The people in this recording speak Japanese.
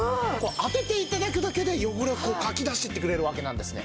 当てて頂くだけで汚れをかき出していってくれるわけなんですね。